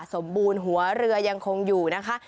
สมบูรณ์หัวเรือยังคงอยู่นะคะ